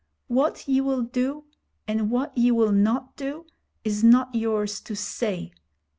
What ye will do, and what ye will not do, is not yours to say.